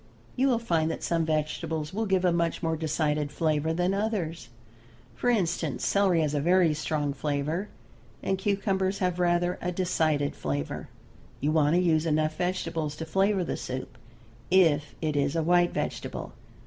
You will find that some vegetables will give a much more decided flavor than others. For instance, celery has a very strong flavor, and cucumbers have rather a decided flavor. You want to use enough vegetables to flavor the soup, if it is a white vegetable.